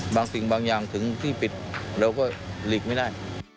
บางสิ่งบางอย่างถึงที่ปิดเราก็หลีกไม่ได้